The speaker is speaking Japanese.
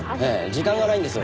時間がないんです。